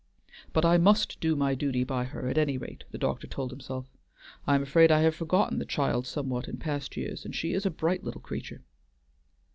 "But I must do my duty by her at any rate," the doctor told himself. "I am afraid I have forgotten the child somewhat in past years, and she is a bright little creature."